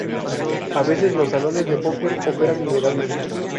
A veces los salones de póquer operan ilegalmente.